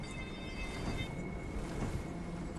د واده ميلمستيا او وليمه څه ته وايي؟